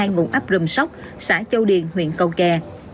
ngụ áp rùm sóc xã châu điền huyện cầu kè